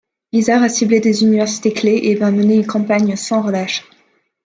Isard a ciblé des universités clefs et a mené campagne sans relâche.